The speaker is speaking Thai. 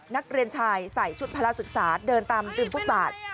นักเรียนชายใส่ชุดพละศึกษาเดินตามริมฟุตบาท